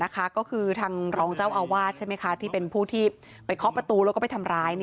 ก็คือทางรองเจ้าอาวาสใช่ไหมคะที่เป็นผู้ที่ไปเคาะประตูแล้วก็ไปทำร้าย